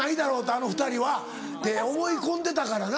あの２人はって思い込んでたからな。